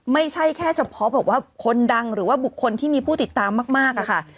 ไม่ใช่แค่เฉพาะบอกว่าคนดังหรือว่าบุคคลที่มีผู้ติดตามมากอะค่ะ